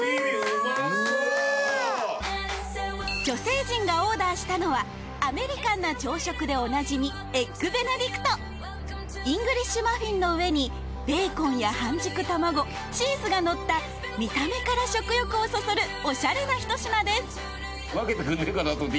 女性陣がオーダーしたのはアメリカンな朝食でおなじみエッグベネディクトイングリッシュマフィンの上にベーコンや半熟卵チーズがのった見た目から食欲をそそるおしゃれなひと品ですＯＫ！